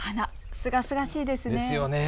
すがすがしいですね。